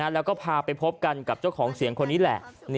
แล้วก็พาไปพบกันกับเจ้าของเสียงคนนี้แหละ